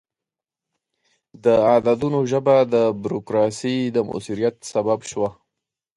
د عددونو ژبه د بروکراسي د موثریت سبب شوه.